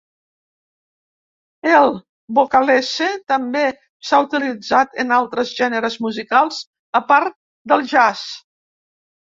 El "vocalese" també s'ha utilitzat en altres gèneres musicals a part del jazz.